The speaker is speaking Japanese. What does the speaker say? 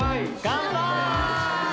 乾杯！